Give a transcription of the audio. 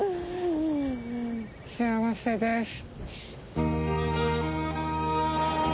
幸せです。